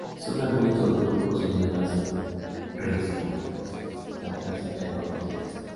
Son arbustos, bejucos o hierbas rizomatosas; plantas hermafroditas.